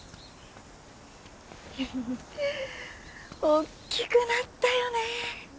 大きくなったよね。